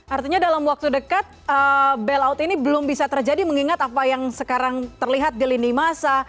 artinya dalam waktu dekat bailout ini belum bisa terjadi mengingat apa yang sekarang terlihat di lini masa